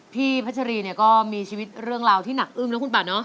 พัชรีเนี่ยก็มีชีวิตเรื่องราวที่หนักอึ้มนะคุณป่าเนาะ